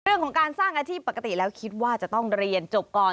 เรื่องของการสร้างอาชีพปกติแล้วคิดว่าจะต้องเรียนจบก่อน